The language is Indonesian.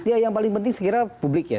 ya yang paling penting sekira publik ya